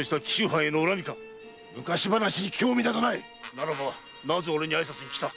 ならばなぜ俺に挨拶に来た？